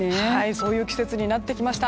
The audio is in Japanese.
そういう季節になってきました。